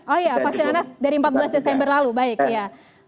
oh iya vaksin anak dari empat belas desember lalu baik ya